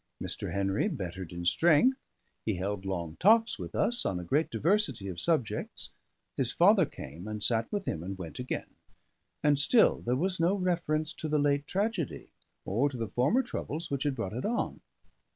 Mr. Henry bettered in strength, he held long talks with us on a great diversity of subjects, his father came and sat with him and went again; and still there was no reference to the late tragedy or to the former troubles which had brought it on.